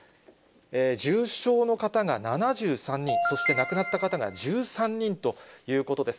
重症の方が７３人、そして亡くなった方が１３人ということです。